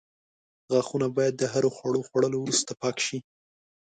غاښونه باید د هر خواړو خوړلو وروسته پاک شي.